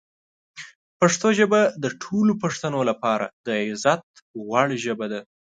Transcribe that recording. پښتو ژبه د ټولو پښتنو لپاره د عزت وړ ژبه ده.